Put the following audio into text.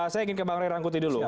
saya ingin ke bang ray rangkuti dulu